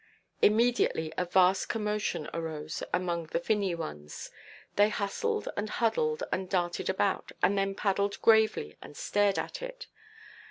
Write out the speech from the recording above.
Immediately a vast commotion arose among the finny ones; they hustled, and huddled, and darted about, and then paddled gravely and stared at it.